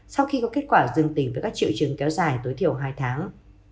sau khi có kết quả dương tính với các triệu chứng kéo dài tối thiểu hai tháng